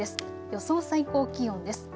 予想最高気温です。